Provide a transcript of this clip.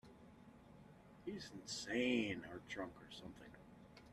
He's insane or drunk or something.